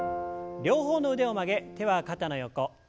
両方の腕を曲げ手は肩の横。